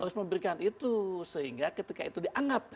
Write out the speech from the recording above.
sehingga ketika itu dianggap